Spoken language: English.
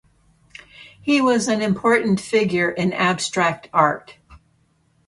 He was an important figure in abstract art.